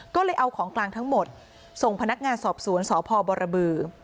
ก็เลยเอาของกลางทั้งหมดส่งพนักงานสอบสวนสพบรบือ